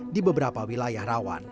di beberapa wilayah rawan